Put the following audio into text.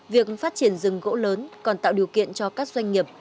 việc phát triển rừng gỗ lớn còn tạo điều kiện cho các doanh nghiệp